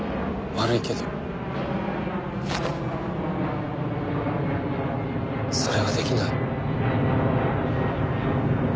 悪いけどそれはできない。